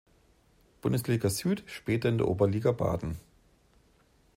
Bundesliga Süd, später in der Oberliga Baden.